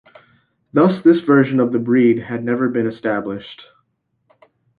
Thus, this version of the breed had never been established.